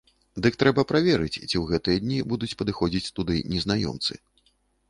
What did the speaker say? Дык трэба праверыць, ці ў гэтыя дні будуць падыходзіць туды незнаёмцы.